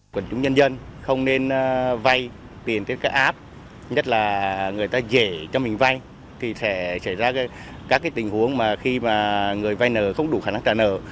quận chủ nhân dân không nên vay tiền tới các áp nhất là người ta dễ cho mình vay thì sẽ ra các tình huống mà khi mà người vay nợ không đủ khả năng trả nợ